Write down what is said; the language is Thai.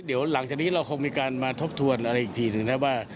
เดี๋ยวหลังจากนี้เราคงมีการมาทบทวนอะไรอีกทีหนึ่งนะว่า